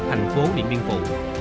thành phố điện biên phủ